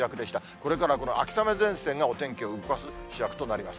これからはこの秋雨前線が、お天気を動かす主役となります。